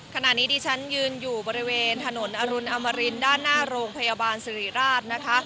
ขณะนี้ดิฉันยืนอยู่บริเวณถนนอรุณอมรินด้านหน้าโรงพยาบาลสิริราชนะคะ